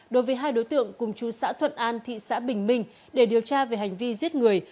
đối với hai đối tượng cùng chú xã thuận an thị xã bình minh để điều tra về hành vi giết người